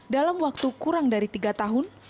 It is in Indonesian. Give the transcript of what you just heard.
dalam waktu kurang dari tiga tahun